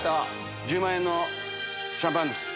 １０万円のシャンパンです。